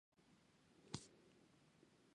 د مشهور جنګسالار موټرو په مرسته لرګي ولېږدول شول.